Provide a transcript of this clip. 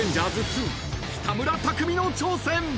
２北村匠海の挑戦］